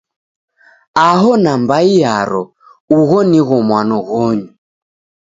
Aho nambai yaro, ugho nigho mwano ghonyu.